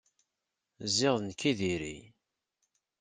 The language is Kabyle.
Ziɣ d nekk i diri.